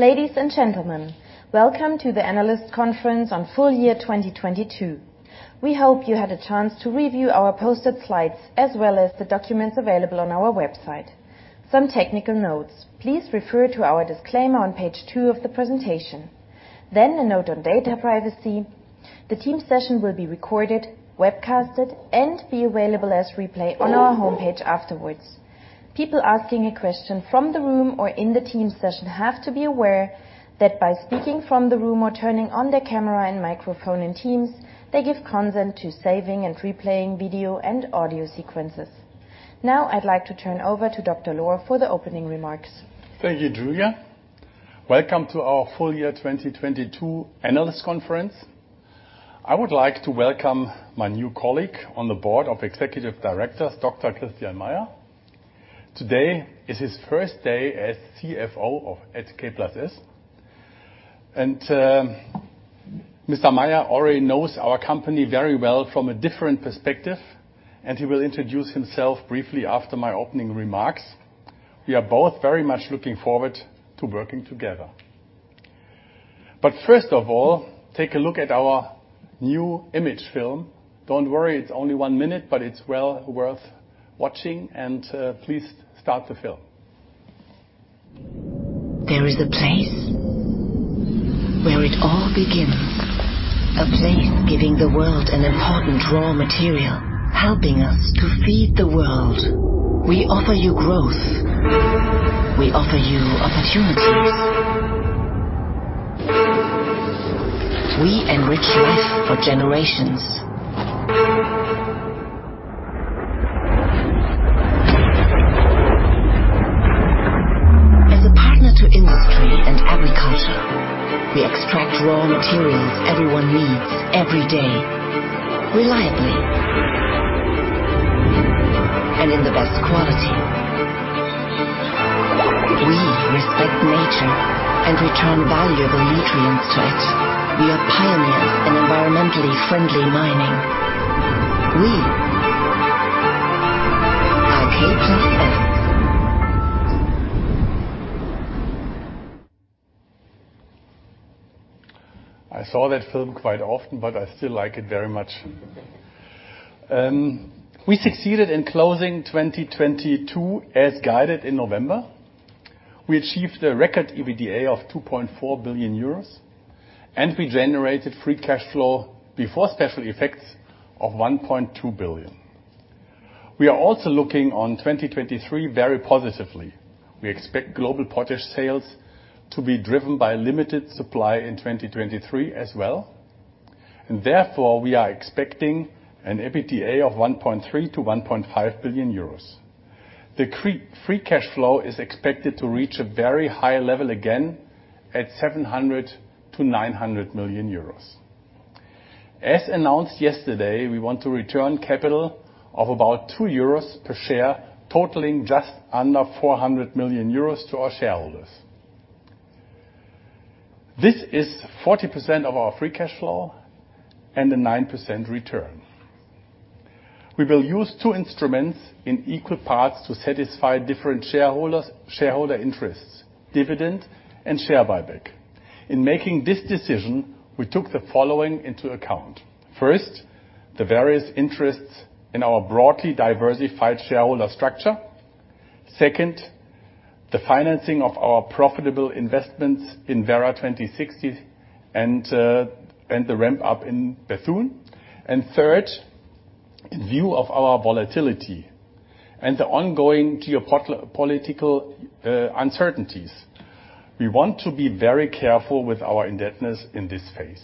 Ladies and gentlemen, welcome to the analyst conference on full year 2022. We hope you had a chance to review our posted slides as well as the documents available on our website. Some technical notes. Please refer to our disclaimer on page 2 of the presentation. A note on data privacy. The team session will be recorded, webcasted, and be available as replay on our homepage afterwards. People asking a question from the room or in the team session have to be aware that by speaking from the room or turning on their camera and microphone in Teams, they give consent to saving and replaying video and audio sequences. I'd like to turn over to Burkhard Lohr for the opening remarks. Thank you, Julia. Welcome to our full year 2022 analyst conference. I would like to welcome my new colleague on the board of executive directors, Christian H. Meyer. Today is his first day as CFO at K+S. Mr. Meyer already knows our company very well from a different perspective, and he will introduce himself briefly after my opening remarks. We are both very much looking forward to working together. First of all, take a look at our new image film. Don't worry, it's only 1 minute, but it's well worth watching. Please start the film. There is a place where it all begins. A place giving the world an important raw material, helping us to feed the world. We offer you growth. We offer you opportunities. We enrich life for generations. As a partner to industry and agriculture, we extract raw materials everyone needs every day, reliably and in the best quality. We respect nature and return valuable nutrients to it. We are pioneers in environmentally friendly mining. We are K+S. I saw that film quite often, but I still like it very much. We succeeded in closing 2022 as guided in November. We achieved a record EBITDA of 2.4 billion euros, and we generated free cash flow before special effects of 1.2 billion. We are also looking on 2023 very positively. We expect global potash sales to be driven by limited supply in 2023 as well, and therefore we are expecting an EBITDA of 1.3 billion-1.5 billion euros. The free cash flow is expected to reach a very high level again at 700 million-900 million euros. As announced yesterday, we want to return capital of about 2 euros per share, totaling just under 400 million euros to our shareholders. This is 40% of our free cash flow and a 9% return. We will use two instruments in equal parts to satisfy different shareholders, shareholder interests, dividend and share buyback. In making this decision, we took the following into account. First, the various interests in our broadly diversified shareholder structure. Second, the financing of our profitable investments in Werra 2060 and the ramp up in Bethune. Third, in view of our volatility and the ongoing geopolitical uncertainties, we want to be very careful with our indebtedness in this phase.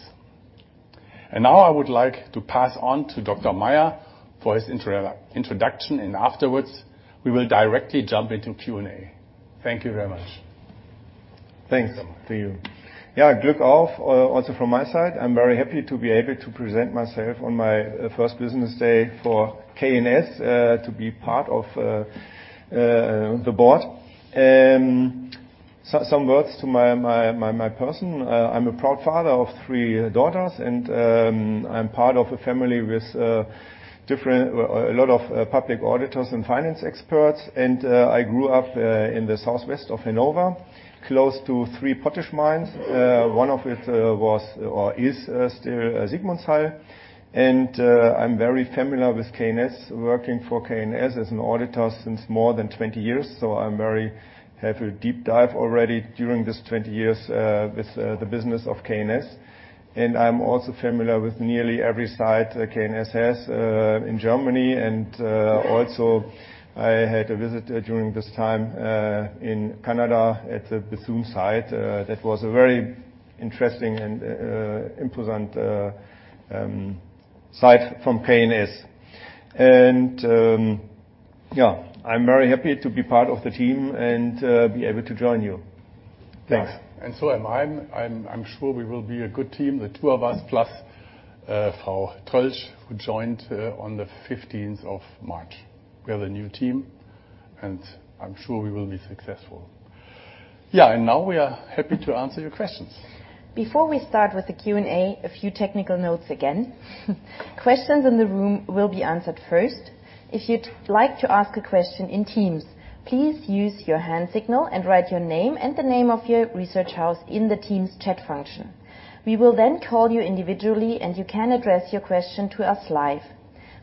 Now I would like to pass on to Dr. Meyer for his introduction, and afterwards we will directly jump into Q&A. Thank you very much. Thanks to you. Glück auf, also from my side, I'm very happy to be able to present myself on my first business day for K+S, to be part of the board. Some words to my person. I'm a proud father of three daughters and I'm part of a family with different. A lot of public auditors and finance experts. I grew up in the southwest of Hanover, close to three potash mines. One of it was or is still Sigmundshall. I'm very familiar with K+S, working for K+S as an auditor since more than 20 years. I'm very. Have a deep dive already during this 20 years with the business of K+S. I'm also familiar with nearly every site that K+S has in Germany. Also I had a visit during this time in Canada at the Bethune site, that was a very interesting and important site from K+S. Yeah, I'm very happy to be part of the team and be able to join you. Thanks. I'm sure we will be a good team. The two of us, plus, Carin-Martina Tröltzsch, who joined on the 15th of March. We have a new team, and I'm sure we will be successful. Now we are happy to answer your questions. Before we start with the Q&A, a few technical notes again. Questions in the room will be answered first. If you'd like to ask a question in Teams, please use your hand signal and write your name and the name of your research house in the Teams chat function. We will then call you individually, and you can address your question to us live.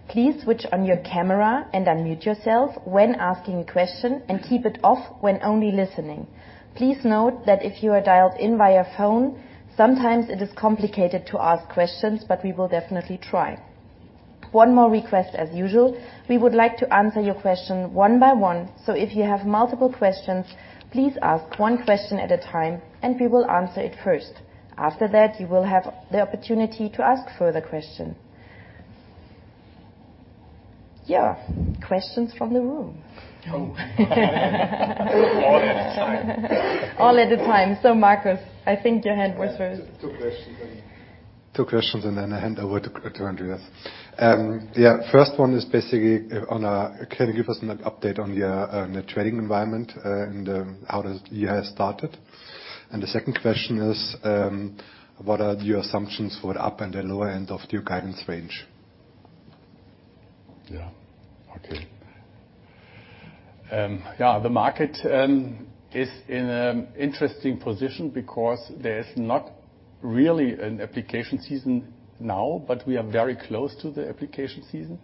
Please switch on your camera and unmute yourself when asking a question, and keep it off when only listening. Please note that if you are dialed in via phone, sometimes it is complicated to ask questions, but we will definitely try. One more request, as usual, we would like to answer your question one by one. If you have multiple questions, please ask one question at a time, and we will answer it first. After that, you will have the opportunity to ask further question. Yeah. Questions from the room. Oh. All at a time. All at a time. Markus, I think your hand was first. Two questions. Then I hand over to Andreas. The first one is basically, can you give us an update on your, the trading environment and how the year has started? The second question is, what are your assumptions for the upper and the lower end of your guidance range? Yeah. Okay. The market is in an interesting position because there's not really an application season now, but we are very close to the application season.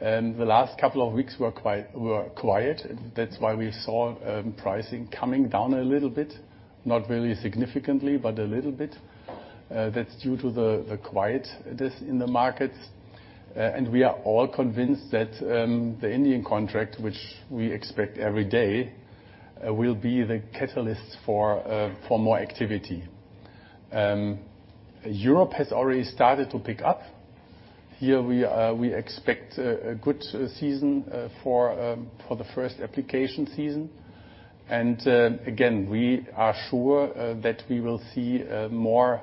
The last couple of weeks were quiet. That's why we saw pricing coming down a little bit. Not really significantly, but a little bit. That's due to the quiet this, in the markets. We are all convinced that the Indian contract, which we expect every day, will be the catalyst for more activity. Europe has already started to pick up. Here we expect a good season for the first application season. Again, we are sure that we will see more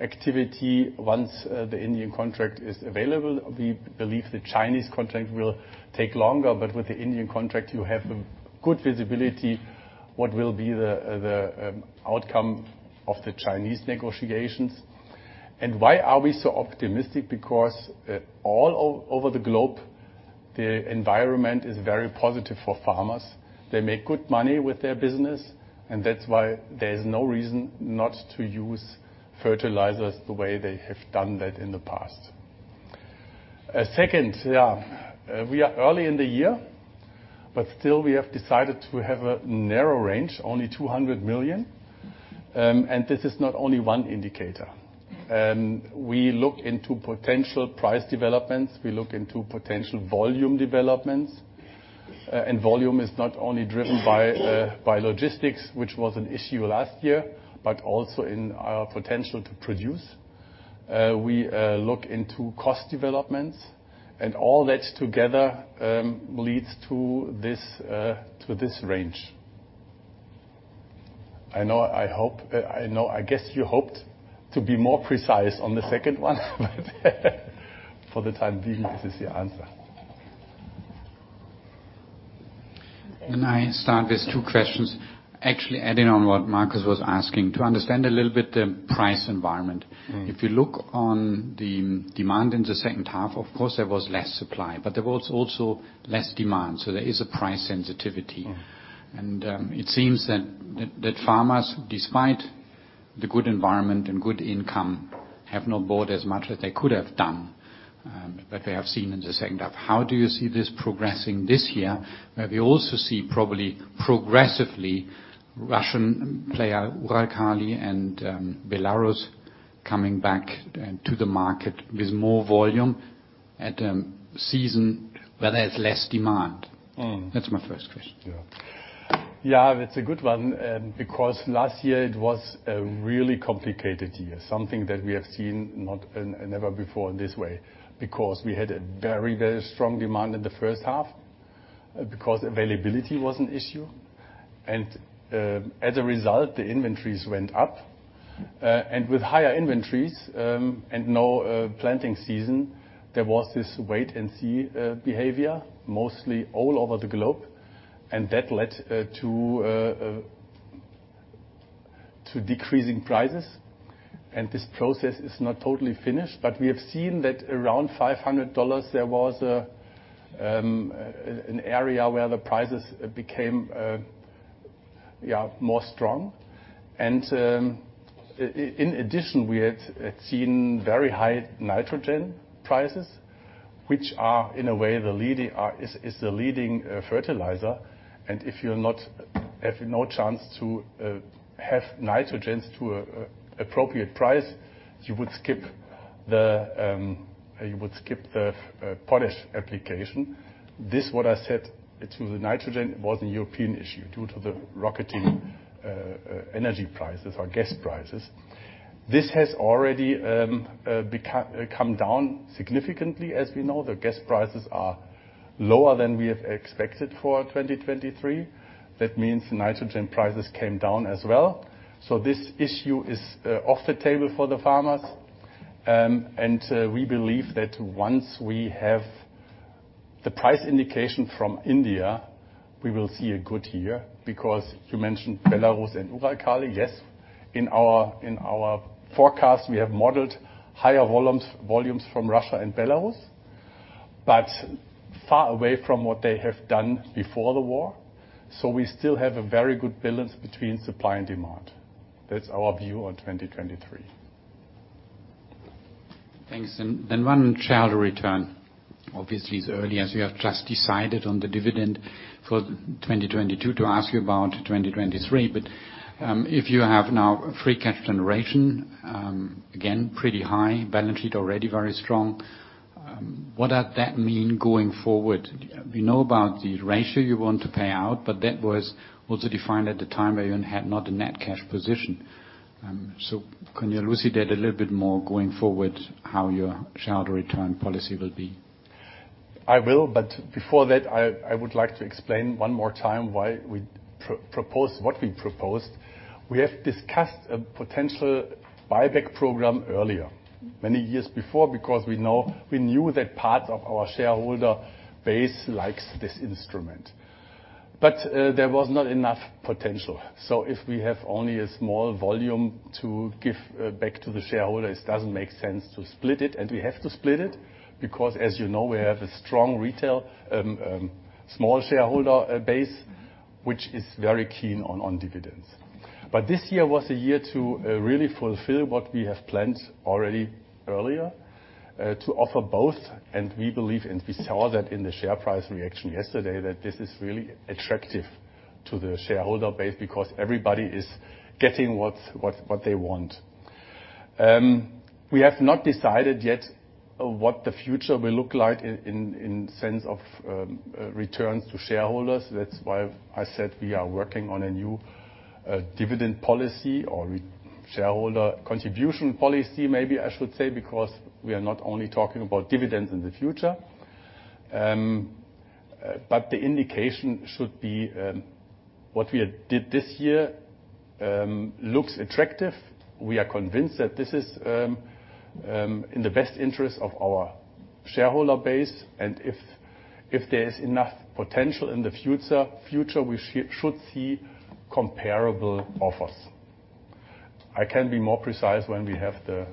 activity once the Indian contract is available. We believe the Chinese contract will take longer, but with the Indian contract, you have good visibility what will be the outcome of the Chinese negotiations. Why are we so optimistic? Because, over the globe, the environment is very positive for farmers. They make good money with their business, and that's why there's no reason not to use fertilizers the way they have done that in the past. Second, yeah, we are early in the year, but still we have decided to have a narrow range, only 200 million. This is not only one indicator. We look into potential price developments. We look into potential volume developments. Volume is not only driven by logistics, which was an issue last year, but also in our potential to produce. We look into cost developments and all that together, leads to this, to this range. I know, I hope, I know, I guess you hoped to be more precise on the second one, but for the time being, this is the answer. Can I start with two questions? Actually adding on what Markus was asking, to understand a little bit the price environment. If you look on the demand in the second half, of course there was less supply, but there was also less demand, so there is a price sensitivity. Mm. It seems that farmers, despite the good environment and good income, have not bought as much as they could have done, that they have seen in the second half. How do you see this progressing this year, where we also see probably progressively Russian player Uralkali and Belarus coming back to the market with more volume at season where there's less demand? Mm. That's my first question. Yeah. Yeah, that's a good one, because last year it was a really complicated year, something that we have seen not never before in this way, because we had a very, very strong demand in the first half, because availability was an issue. As a result, the inventories went up. With higher inventories, and no planting season, there was this wait and see behavior, mostly all over the globe, and that led to decreasing prices. This process is not totally finished, but we have seen that around $500 there was an area where the prices became yeah, more strong. In addition, we had seen very high nitrogen prices, which are, in a way, the leading fertilizer. If you're not, have no chance to have nitrogens to a appropriate price, you would skip the potash application. This what I said to the nitrogen was a European issue due to the rocketing energy prices or gas prices. This has already come down significantly. As we know, the gas prices are lower than we have expected for 2023. That means nitrogen prices came down as well. This issue is off the table for the farmers. We believe that once we have...The price indication from India, we will see a good year, because you mentioned Belarus and Uralkali. Yes, in our, in our forecast we have modeled higher volumes from Russia and Belarus, but far away from what they have done before the war. We still have a very good balance between supply and demand. That's our view on 2023. Thanks. One shareholder return, obviously it's early, as you have just decided on the dividend for 2022 to ask you about 2023. If you have now free cash generation, again pretty high, balance sheet already very strong, what does that mean going forward? We know about the ratio you want to pay out, but that was also defined at the time where you had not the net cash position. Can you elucidate a little bit more going forward how your shareholder return policy will be? I will, but before that, I would like to explain one more time why we propose what we proposed. We have discussed a potential buyback program earlier, many years before, because we knew that part of our shareholder base likes this instrument. There was not enough potential. If we have only a small volume to give back to the shareholders, it doesn't make sense to split it, and we have to split it because, as you know, we have a strong retail, small shareholder base, which is very keen on dividends. This year was a year to really fulfill what we have planned already earlier to offer both. We believe, and we saw that in the share price reaction yesterday, that this is really attractive to the shareholder base because everybody is getting what they want. We have not decided yet what the future will look like in sense of returns to shareholders. That's why I said we are working on a new dividend policy or shareholder contribution policy, maybe I should say, because we are not only talking about dividends in the future. The indication should be what we did this year looks attractive. We are convinced that this is in the best interest of our shareholder base, and if there is enough potential in the future, we should see comparable offers. I can be more precise when we have the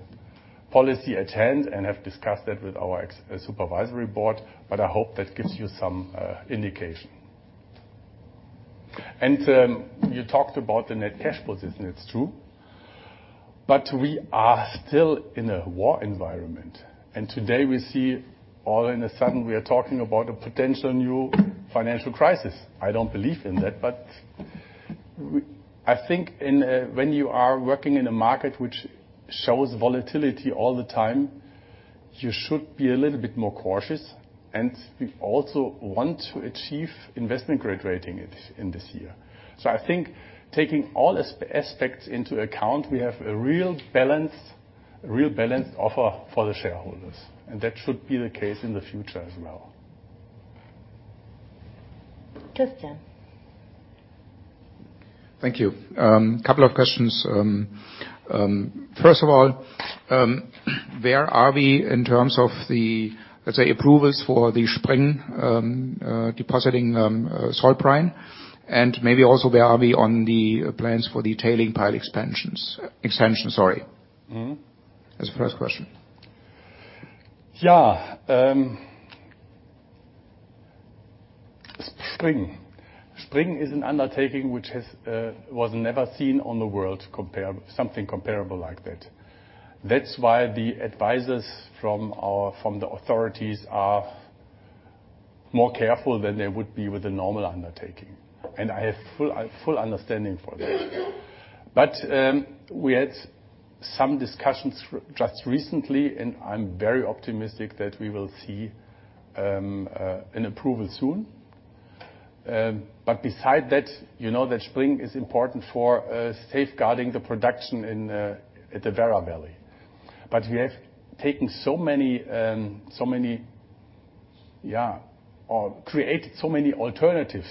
policy at hand and have discussed that with our ex-Supervisory Board, but I hope that gives you some indication. You talked about the net cash position, it's true. We are still in a war environment, and today we see all of a sudden we are talking about a potential new financial crisis. I don't believe in that, but I think in when you are working in a market which shows volatility all the time, you should be a little bit more cautious, and we also want to achieve investment grade rating in this year. I think taking all aspects into account, we have a real balance, real balanced offer for the shareholders, and that should be the case in the future as well. Christian. Thank you. Couple of questions. First of all, where are we in terms of the, let's say, approvals for the Spring, depositing, salt brine? Maybe also where are we on the plans for the tailing pile expansions, extension, sorry? Mm-hmm. That's the first question. Spring. Spring is an undertaking which was never seen on the world something comparable like that. That's why the advisors from the authorities are more careful than they would be with a normal undertaking. I have full understanding for that. We had some discussions just recently, and I'm very optimistic that we will see an approval soon. Beside that, you know that Spring is important for safeguarding the production at the Werra Valley. We have taken so many, so many, or created so many alternatives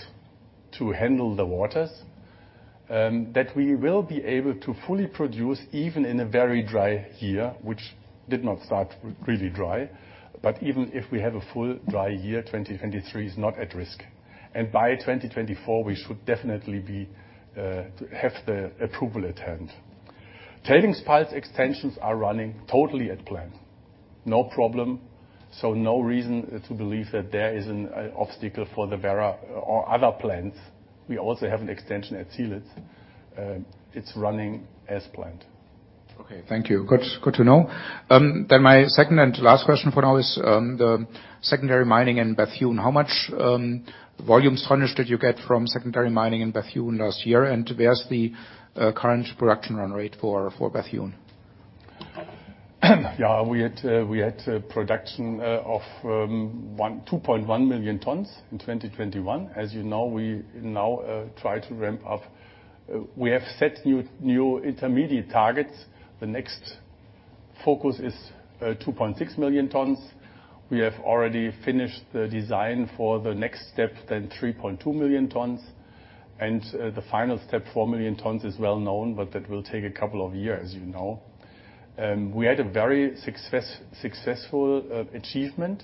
to handle the waters that we will be able to fully produce even in a very dry year, which did not start really dry. Even if we have a full dry year, 2023 is not at risk. By 2024, we should definitely be, have the approval at hand. Tailings piles extensions are running totally at plan. No problem, so no reason to believe that there is an obstacle for the Werra or other plans. We also have an extension at Zielitz. It's running as planned. Okay. Thank you. Good, good to know. My second and last question for now is the secondary mining in Bethune. How much volumes tonnage did you get from secondary mining in Bethune last year, and where's the current production run rate for Bethune? Yeah. We had production of 2.1 million tons in 2021. As you know, we now try to ramp up. We have set new intermediate targets. The next focus is 2.6 million tons. We have already finished the design for the next step, then 3.2 million tons. The final step, 4 million tons, is well known, but that will take a couple of years, you know. We had a very successful achievement.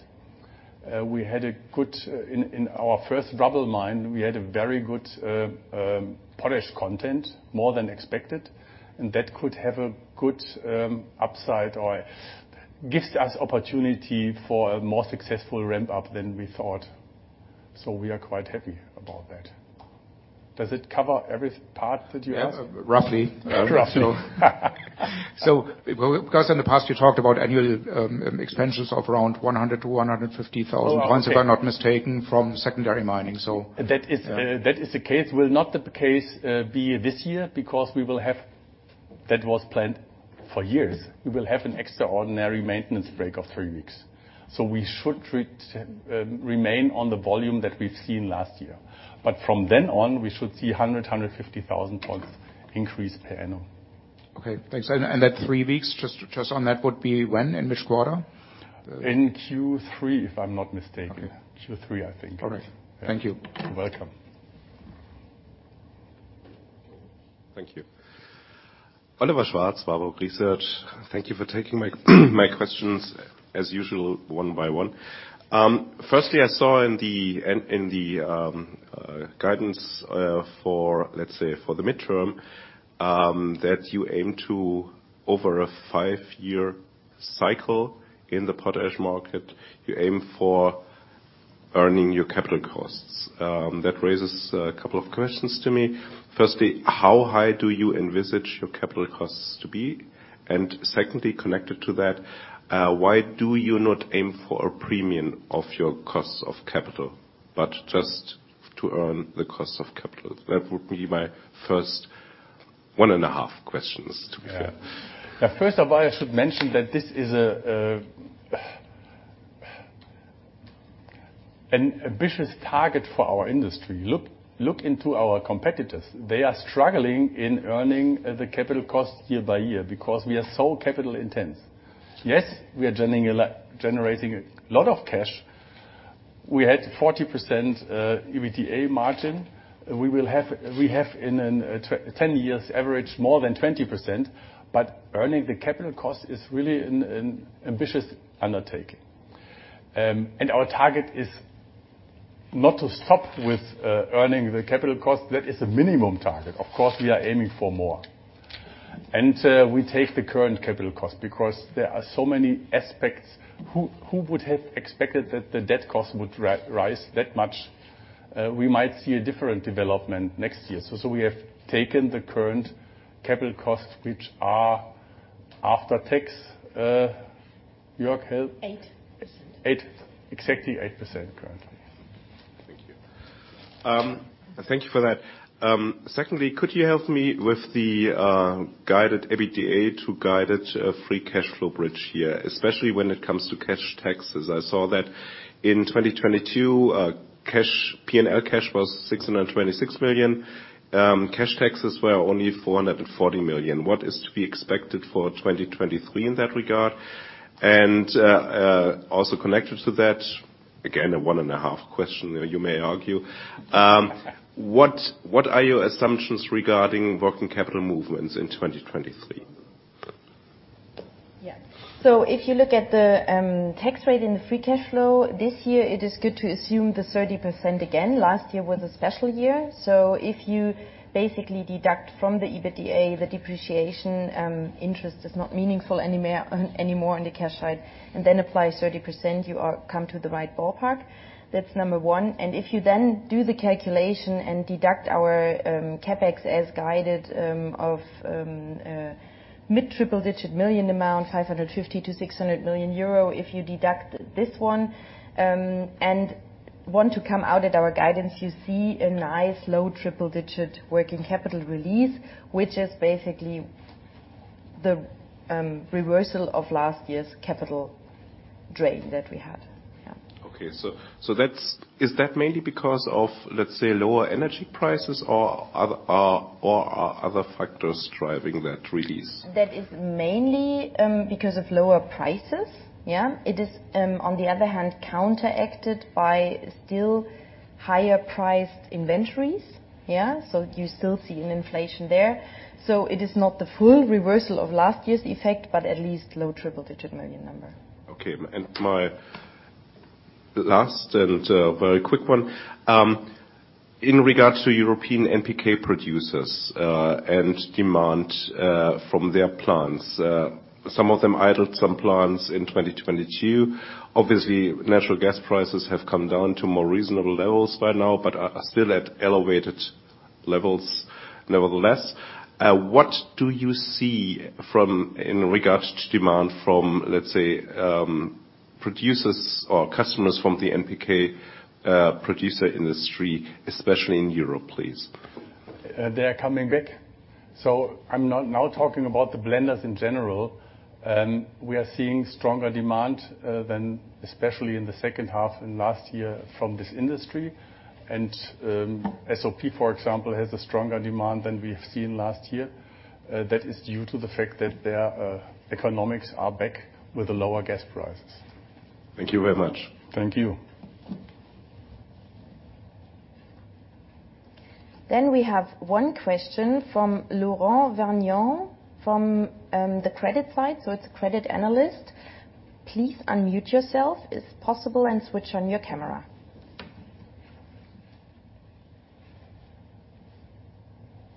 We had a good in our first rubble mine, we had a very good potash content, more than expected. That could have a good upside or gives us opportunity for a more successful ramp up than we thought. We are quite happy about that. Does it cover every part that you asked? Yeah. Roughly. Roughly. Because in the past, you talked about annual expansions of around 100 to 150,000. Oh, okay.... points if I'm not mistaken, from secondary mining, so. That is- Yeah... that is the case. Will not the case be this year because we will have... That was planned for years. We will have an extraordinary maintenance break of 3 weeks. We should remain on the volume that we've seen last year. From then on, we should see 100, 150,000 tons increase per annum. Okay, thanks. That three weeks, just on that, would be when? In which quarter? In Q3, if I'm not mistaken. Okay. Q3, I think it is. All right. Thank you. You're welcome. Thank you. Oliver Schwarz, Warburg Research. Thank you for taking my questions as usual one by one. Firstly, I saw in the guidance for let's say for the midterm, that you aim to over a 5-year cycle in the potash market, you aim for earning your capital costs. That raises a couple of questions to me. Firstly, how high do you envisage your capital costs to be? Secondly, connected to that, why do you not aim for a premium of your costs of capital, but just to earn the cost of capital? That would be my first 1.5 questions, to be fair. First of all, I should mention that this is an ambitious target for our industry. Look into our competitors. They are struggling in earning the capital costs year by year because we are so capital intense. Yes, we are generating a lot of cash. We had 40% EBITDA margin. We have in a 10 years average more than 20%, but earning the capital cost is really an ambitious undertaking. Our target is not to stop with earning the capital cost. That is a minimum target. Of course, we are aiming for more. We take the current capital cost because there are so many aspects. Who would have expected that the debt cost would rise that much? We might see a different development next year. We have taken the current capital costs, which are after tax. Jörg, help. Eight. 8. Exactly 8% currently. Thank you. Thank you for that. Secondly, could you help me with the guided EBITDA to guided free cash flow bridge here, especially when it comes to cash taxes? I saw that in 2022, cash, P&L cash was 626 million. Cash taxes were only 440 million. What is to be expected for 2023 in that regard? Also connected to that, again, a one and a half question, you may argue. What are your assumptions regarding working capital movements in 2023? If you look at the tax rate in the free cash flow, this year it is good to assume the 30% again. Last year was a special year. If you basically deduct from the EBITDA, the depreciation, interest is not meaningful anymore on the cash side, and then apply 30%, come to the right ballpark. That's number one. If you then do the calculation and deduct our CapEx as guided, of mid triple digit million amount, 550 million-600 million euro. If you deduct this one, and want to come out at our guidance, you see a nice low triple digit working capital release, which is basically the reversal of last year's capital drain that we had. Is that mainly because of, let's say, lower energy prices or are other factors driving that release? That is mainly because of lower prices. Yeah. It is, on the other hand, counteracted by still higher priced inventories. Yeah. You still see an inflation there. It is not the full reversal of last year's effect, but at least EUR low triple digit million number. Okay. My last and very quick one. In regards to European NPK producers and demand from their plants, some of them idled some plants in 2022. Obviously, natural gas prices have come down to more reasonable levels by now, but are still at elevated levels nevertheless. What do you see from, in regards to demand from, let's say, producers or customers from the NPK producer industry, especially in Europe, please? They are coming back. I'm not now talking about the blenders in general. We are seeing stronger demand than especially in the second half in last year from this industry. SOP, for example, has a stronger demand than we have seen last year. That is due to the fact that their economics are back with the lower gas prices. Thank you very much. Thank you. We have one question from Laurent Vernier from the credit side. It's a credit analyst. Please unmute yourself if possible, and switch on your camera.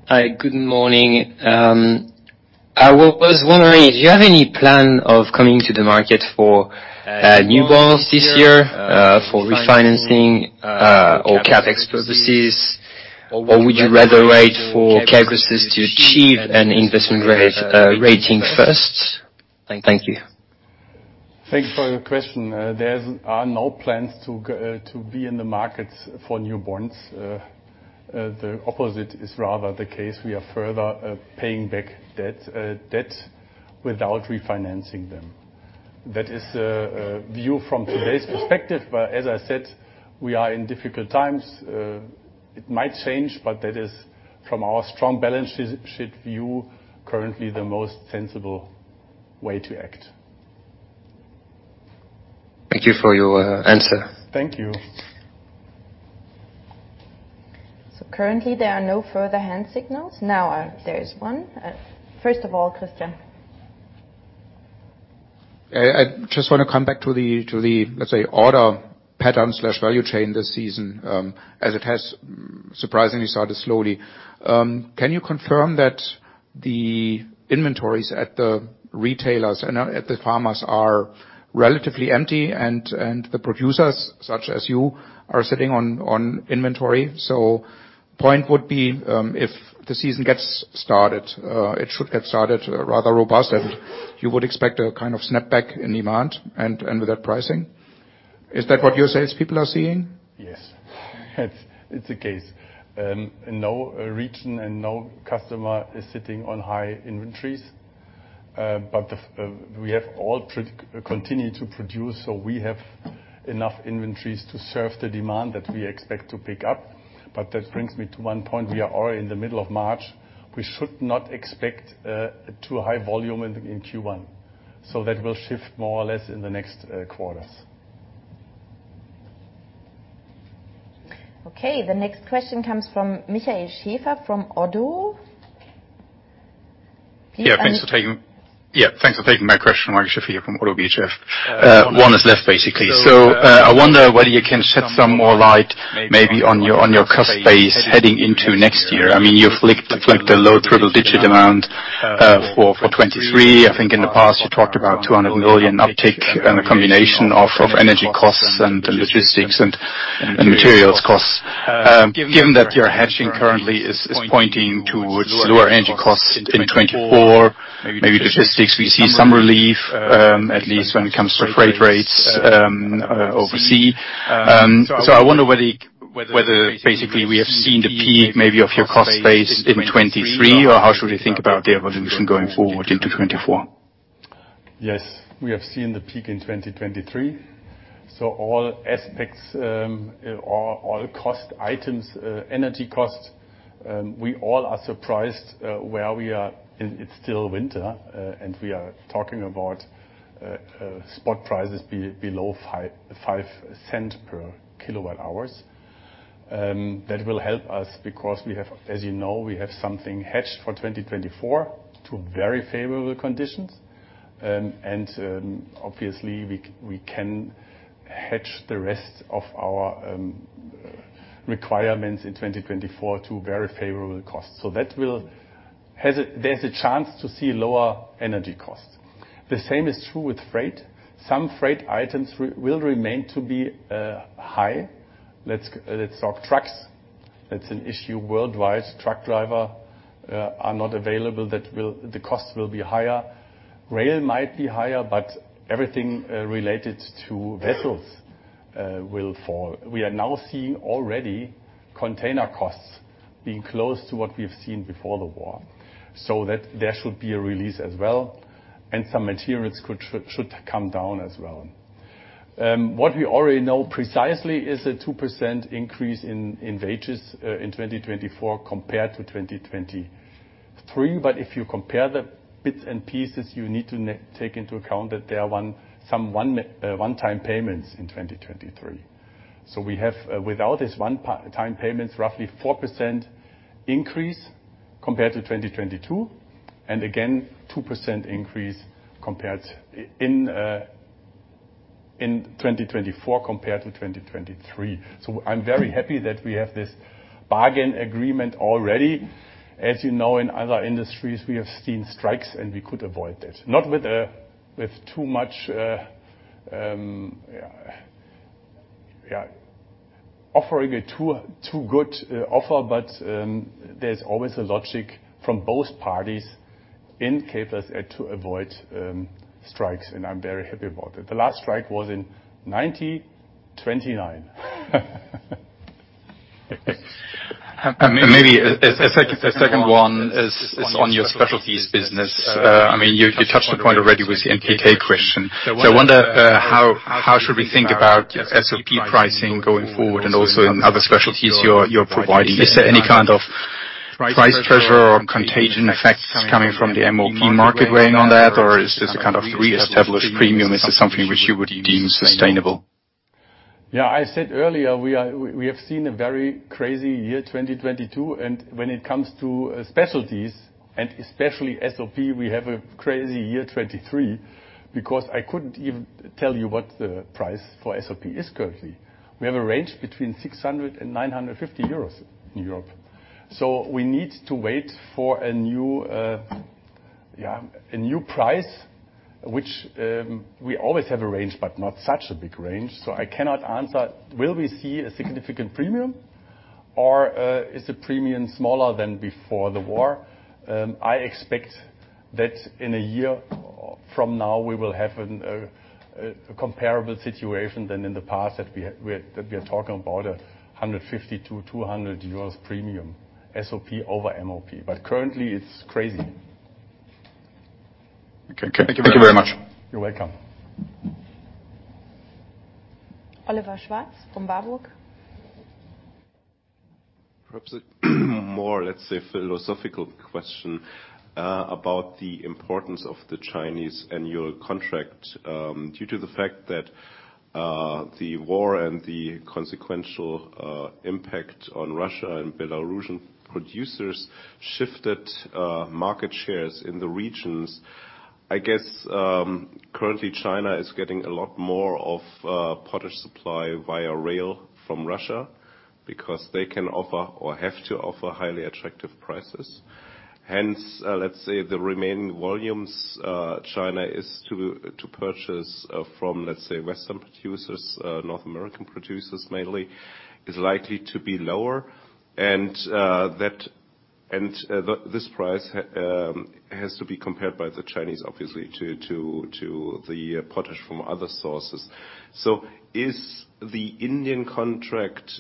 Hi, good morning. I was wondering, do you have any plan of coming to the market for new bonds this year for refinancing or CapEx purposes? Or would you rather wait for CapExes to achieve an investment grade rating first? Thank you. Thanks for your question. There's are no plans to be in the market for new bonds. The opposite is rather the case. We are further paying back debt without refinancing them. That is a view from today's perspective, but as I said, we are in difficult times. It might change, but that is from our strong balance sheet view, currently the most sensible way to act. Thank you for your answer. Thank you. Currently, there are no further hand signals. There is one. First of all, Christian. I just wanna come back to the, to the, let's say, order pattern/value chain this season, as it has surprisingly started slowly. Can you confirm that the inventories at the retailers and at the farmers are relatively empty and the producers, such as you, are sitting on inventory? Point would be, if the season gets started, it should get started rather robust and you would expect a kind of snapback in demand and with that pricing. Is that what your salespeople are seeing? Yes. It's the case. No region and no customer is sitting on high inventories. We have all continue to produce, so we have enough inventories to serve the demand that we expect to pick up. That brings me to one point, we are already in the middle of March. We should not expect too high volume in Q1. That will shift more or less in the next quarters. Okay. The next question comes from Michael Schaefer from ODDO. Yeah, thanks for taking my question. Michael Schaefer from ODDO BHF. One is left basically. I wonder whether you can shed some more light maybe on your cost base heading into next year. I mean, you've looked like the low triple digit amount for 2023. I think in the past you talked about 200 million uptick and a combination of energy costs and logistics and materials costs. Given that your hedging currently is pointing towards lower energy costs in 2024, maybe logistics, we see some relief, at least when it comes to freight rates overseas. I wonder whether basically we have seen the peak maybe of your cost base in 2023, or how should we think about the evolution going forward into 2024? We have seen the peak in 2023. All aspects, or all cost items, energy costs, we all are surprised where we are. It's still winter, and we are talking about spot prices below 5.5 cents per kilowatt hour. That will help us because we have, as you know, we have something hedged for 2024 to very favorable conditions. Obviously we can hedge the rest of our requirements in 2024 to very favorable costs. There's a chance to see lower energy costs. The same is true with freight. Some freight items will remain to be high. Let's talk trucks. That's an issue worldwide. Truck driver are not available, the costs will be higher. Rail might be higher. Everything related to vessels will fall. We are now seeing already container costs being close to what we've seen before the war. That there should be a release as well, and some materials could should come down as well. What we already know precisely is a 2% increase in wages in 2024 compared to 2023. If you compare the bits and pieces, you need to take into account that there are one, some one-time payments in 2023. We have, without these one-time payments, roughly 4% increase compared to 2022, and again, 2% increase compared in 2024 compared to 2023. I'm very happy that we have this bargain agreement already. As you know, in other industries, we have seen strikes and we could avoid that. Not with too much, offering a too good offer, but there's always a logic from both parties in K+S to avoid strikes, and I'm very happy about it. The last strike was in 1929. Maybe a second one is on your specialties business. I mean, you touched the point already with the NPK question. I wonder, how should we think about SOP pricing going forward and also in other specialties you're providing? Is there any kind of price pressure or contagion effects coming from the MOP market weighing on that? Is this a kind of reestablished premium? Is this something which you would deem sustainable? I said earlier, we have seen a very crazy year 2022. When it comes to specialties and especially SOP, we have a crazy year 2023, because I couldn't even tell you what the price for SOP is currently. We have a range between 600 and 950 euros in Europe. We need to wait for a new, a new price, which we always have a range, but not such a big range. I cannot answer, will we see a significant premium or is the premium smaller than before the war? I expect that in a year from now, we will have a comparable situation than in the past that we are talking about 150 to 200 euros premium, SOP over MOP. Currently it's crazy. Okay. Thank you very much. You're welcome. Oliver Schwarz from Warburg. Perhaps a more, let's say, philosophical question about the importance of the Chinese annual contract. Due to the fact that the war and the consequential impact on Russia and Belarusian producers shifted market shares in the regions. I guess, currently China is getting a lot more of potash supply via rail from Russia because they can offer or have to offer highly attractive prices. Hence, let's say the remaining volumes China is to purchase from, let's say, Western producers, North American producers mainly, is likely to be lower. The, this price has to be compared by the Chinese, obviously, to the potash from other sources. Is the Indian contract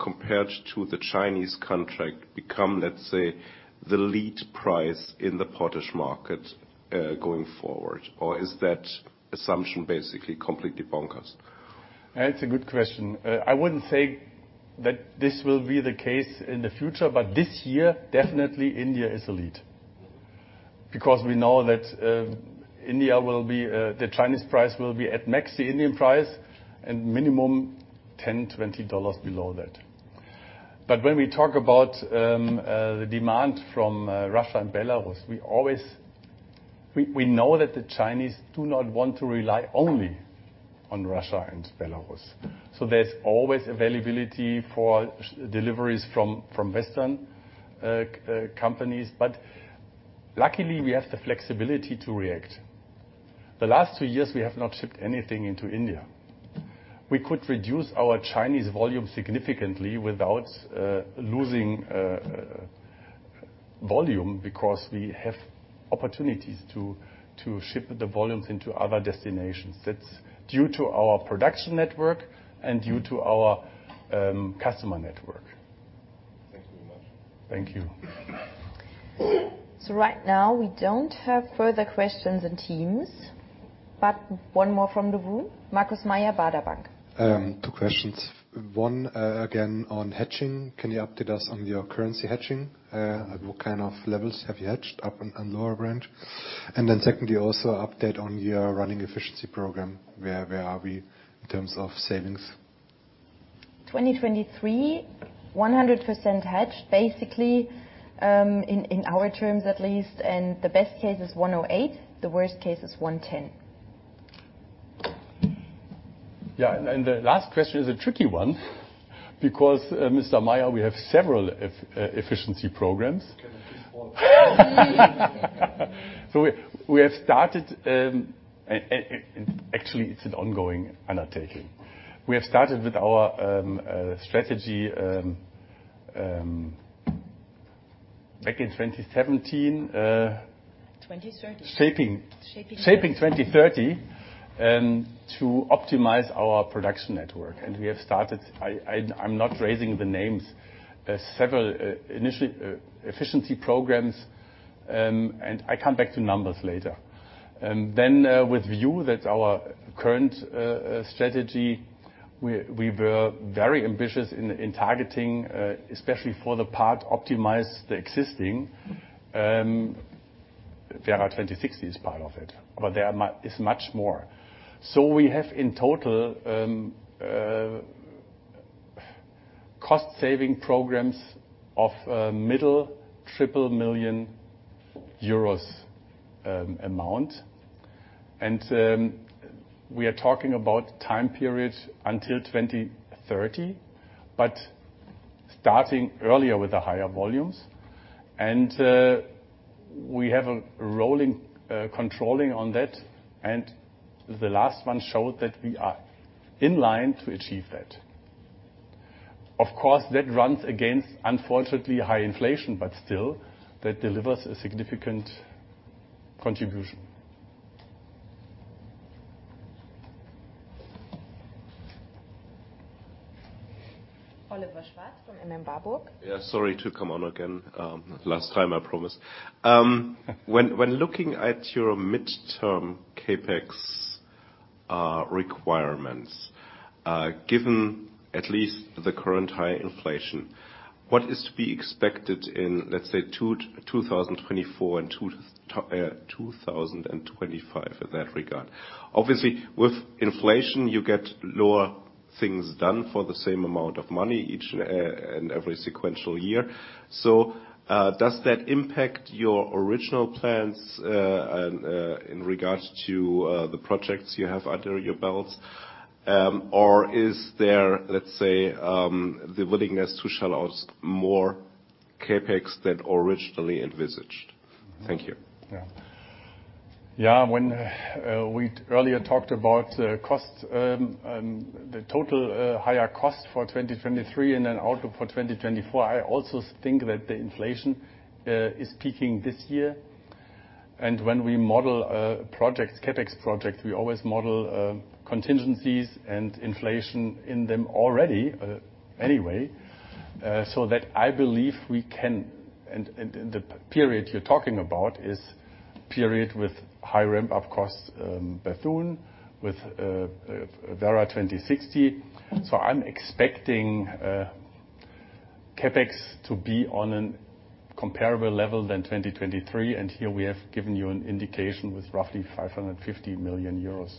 compared to the Chinese contract become, let's say, the lead price in the potash market going forward? Is that assumption basically completely bonkers? That's a good question. I wouldn't say that this will be the case in the future, this year, definitely India is the lead. We know that India will be the Chinese price will be at max the Indian price and minimum $10-$20 below that. When we talk about the demand from Russia and Belarus, we always. We know that the Chinese do not want to rely only on Russia and Belarus. There's always availability for deliveries from Western companies. Luckily, we have the flexibility to react. The last 2 years, we have not shipped anything into India. We could reduce our Chinese volume significantly without losing volume because we have opportunities to ship the volumes into other destinations. That's due to our production network and due to our customer network. Thank you very much. Thank you. Right now we don't have further questions in Teams, but one more from the room. Markus Mayer, Baader Bank. 2 questions. 1, again, on hedging. Can you update us on your currency hedging? At what kind of levels have you hedged, upper and lower range? Secondly, also update on your running efficiency program. Where are we in terms of savings? 2023, 100% hedged, basically, in our terms, at least. The best case is 108, the worst case is 110. Yeah, the last question is a tricky one because Mr. Meyer, we have several efficiency programs. Can I please call? We have started, actually, it's an ongoing undertaking. We have started with our strategy, back in 2017. 2030. Shaping. Shaping 2030. Shaping 2030 to optimize our production network. We have started, I'm not raising the names, initially efficiency programs, and I come back to numbers later. With view that our current strategy, we were very ambitious in targeting especially for the part optimize the existing. Werra 2060 is part of it, but there is much more. We have in total cost saving programs of middle triple million EUR amount. We are talking about time periods until 2030, but starting earlier with the higher volumes. We have a rolling controlling on that, and the last one showed that we are in line to achieve that. Of course, that runs against, unfortunately, high inflation, but still that delivers a significant contribution. Oliver Schwarz from Warburg Research. Yeah, sorry to come on again. Last time, I promise. When looking at your midterm CapEx requirements, given at least the current high inflation, what is to be expected in, let's say, 2024 and 2025 in that regard? Obviously, with inflation, you get lower things done for the same amount of money each and every sequential year. Does that impact your original plans in regards to the projects you have under your belt? Or is there, let's say, the willingness to shell out more CapEx than originally envisaged? Thank you. Yeah. Yeah. When, we earlier talked about costs, the total cost for 2023 and then outlook for 2024, I also think that the inflation is peaking this year. When we model projects, CapEx projects, we always model contingencies and inflation in them already anyway. That I believe we can... The period you're talking about is period with high ramp-up costs, Bethune with Werra 2060. I'm expecting CapEx to be on an comparable level than 2023, and here we have given you an indication with roughly 550 million euros.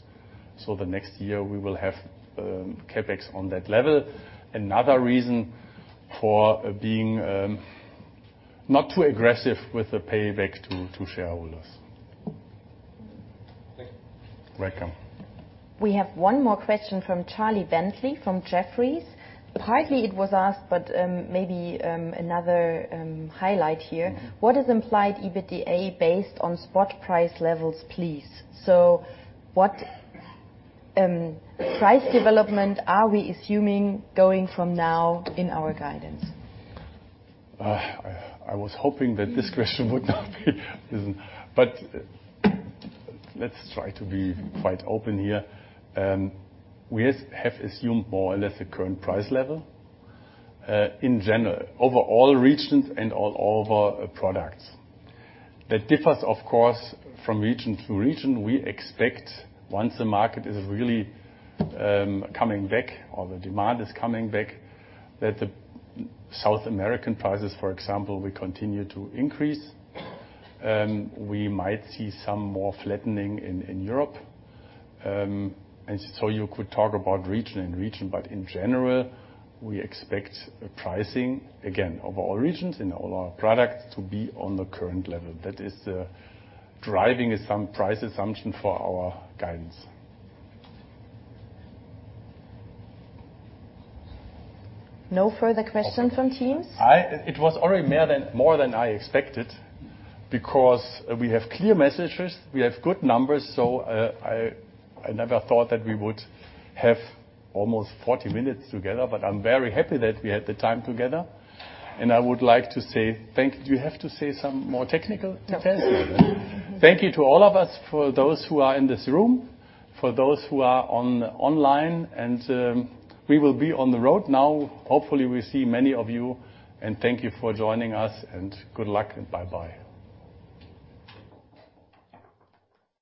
The next year we will have CapEx on that level. Another reason for being not too aggressive with the payback to shareholders. Thank you. Welcome. We have one more question from Charlie Bentley from Jefferies. Partly it was asked, maybe another highlight here. What is implied EBITDA based on spot price levels, please? What price development are we assuming going from now in our guidance? I was hoping that this question would not be isn't... Let's try to be quite open here. We have assumed more or less the current price level, in general, over all regions and all of our products. That differs, of course, from region to region. We expect once the market is really coming back or the demand is coming back, that the South American prices, for example, will continue to increase. We might see some more flattening in Europe. So you could talk about region and region. In general, we expect pricing, again, of all regions and all our products to be on the current level. That is the driving price assumption for our guidance. No further questions from teams? It was already more than I expected because we have clear messages, we have good numbers, I never thought that we would have almost 40 minutes together, but I'm very happy that we had the time together. I would like to say thank you. Do you have to say some more technical details? No. Thank you to all of us, for those who are in this room, for those who are on online, and we will be on the road now. Hopefully, we see many of you, and thank you for joining us and good luck and bye-bye.